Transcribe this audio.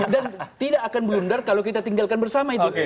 dan tidak akan belundar kalau kita tinggalkan bersama itu